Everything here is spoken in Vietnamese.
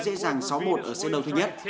đối dễ dàng sáu một ở xét đấu thứ nhất